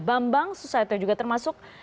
bambang susatyo juga termasuk